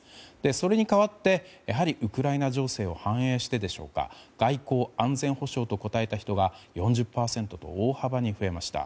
それに代わって、やはりウクライナ情勢を反映してか外交・安全保障と答えた人が４０％と大幅に増えました。